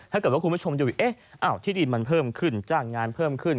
ถ้าเกิดว่าคุณผู้ชมจะบอกที่ดีมันเพิ่มขึ้นจ้างงานเพิ่มขึ้น